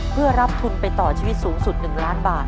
เพื่อรับทุนไปต่อชีวิตสูงสุด๑ล้านบาท